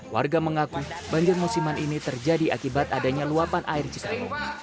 warga mengaku banjir musiman ini terjadi akibat adanya luapan air cikalong